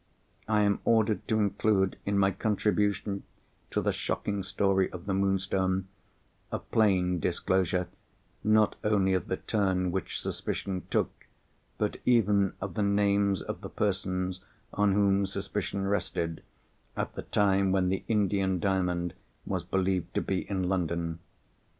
I am ordered to include in my contribution to the shocking story of the Moonstone a plain disclosure, not only of the turn which suspicion took, but even of the names of the persons on whom suspicion rested, at the time when the Indian Diamond was believed to be in London.